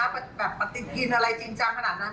ปฏิกินอะไรจริงจังขนาดนั้น